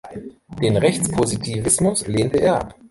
Den Rechtspositivismus lehnte er ab.